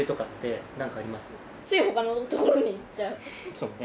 そうね。